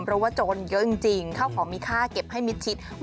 เพราะว่าโจรเยอะจริงข้าวของมีค่าเก็บให้มิดชิด